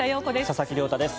佐々木亮太です。